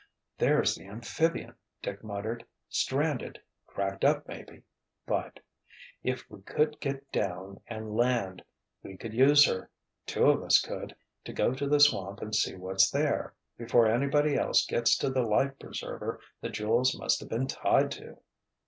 "There's the amphibian," Dick muttered. "Stranded—cracked up, maybe. But—if we could get down and land, we could use her, two of us could, to go to the swamp and see what's there—before anybody else gets to the life preserver the jewels must have been tied to."